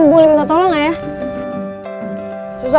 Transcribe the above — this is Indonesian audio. masalah rara ya